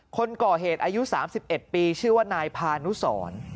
คนก่อเหตุอายุ๓๑ปีชื่อว่านายพานุสร